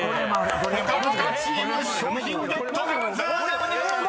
［ぽかぽかチーム賞品ゲットならず！］